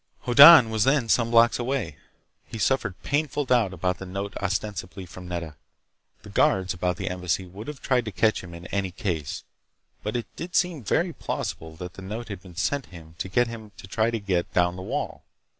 Hoddan was then some blocks away. He suffered painful doubt about the note ostensibly from Nedda. The guards about the Embassy would have tried to catch him in any case, but it did seem very plausible that the note had been sent him to get him to try to get down the wall.